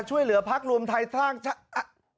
ช่วยเหลือภาครวมไทยสร้างชั้น